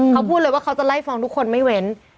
เขาพูดเลยว่าเขาจะไล่ฟ้องทุกคนไม่เว้น